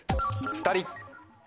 「２人」。